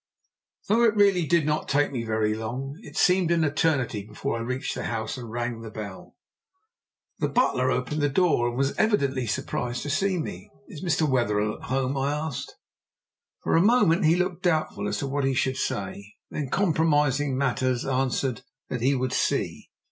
Though it really did not take me very long, it seemed an eternity before I reached the house and rang the bell. The butler opened the door, and was evidently surprised to see me. "Is Mr. Wetherell at home?" I asked. For a moment he looked doubtful as to what he should say, then compromising matters, answered that he would see.